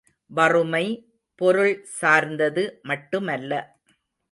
வறுமை, பொருள் சார்ந்தது மட்டுமல்ல.